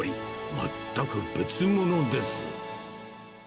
全く別物です。